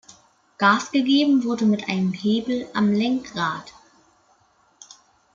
Gas gegeben wurde mit einem Hebel am Lenkrad.